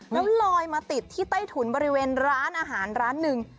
แล้วลอยมาติดที่ใต้ถุนบริเวณร้านอาหารร้านหนึ่ง